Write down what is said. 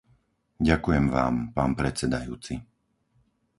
Ďakujem vám, pán predsedajúci.